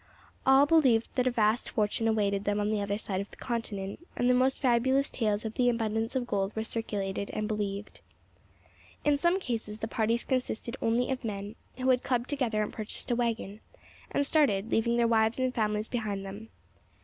All believed that a vast fortune awaited them on the other side of the continent, and the most fabulous tales of the abundance of gold were circulated and believed. In some cases the parties consisted only of men who had clubbed together and purchased a waggon, and started, leaving their wives and families behind them.